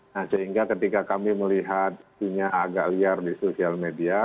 nah sehingga ketika kami melihatnya agak liar di sosial media